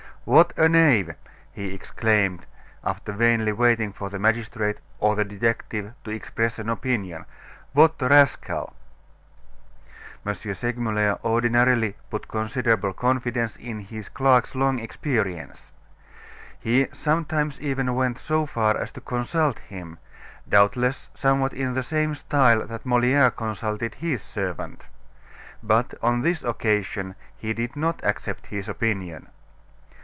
"What a knave!" he exclaimed after vainly waiting for the magistrate or the detective to express an opinion, "what a rascal!" M. Segmuller ordinarily put considerable confidence in his clerk's long experience. He sometimes even went so far as to consult him, doubtless somewhat in the same style that Moliere consulted his servant. But, on this occasion he did not accept his opinion.